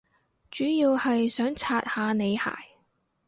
主要係想刷下你鞋